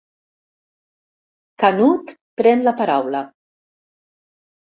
Canut pren la paraula.